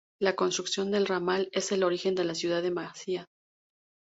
La construcción del ramal es el origen de la ciudad de Maciá.